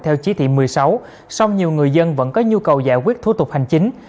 theo chỉ thị một mươi sáu song nhiều người dân vẫn có nhu cầu giải quyết thủ tục hành chính